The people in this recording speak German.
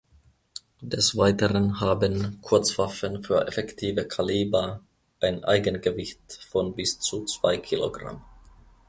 Des Weiteren haben Kurzwaffen für effektive Kaliber ein Eigengewicht von bis zu zwei Kilogramm.